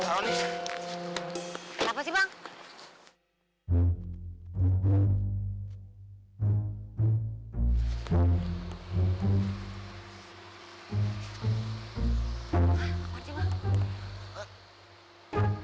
hah apa itu bang